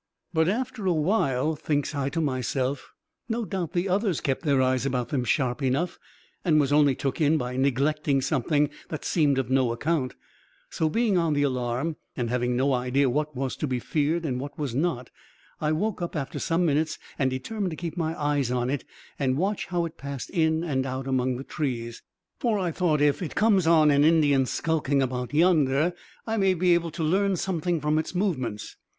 "But after a while, thinks I to myself 'No doubt the others kept their eyes about them sharp enough, and was only took in by neglecting something that seemed of no account;' so being on the alarm and having no idea what was to be feared and what was not, I woke up after some minutes and determined to keep my eyes on it and watch how it passed in and out among the trees. For I thought, if it comes on an Indian skulking about yonder, I may be able to learn something from its movements.